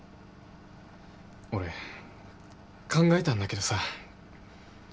俺考えたんだけどさ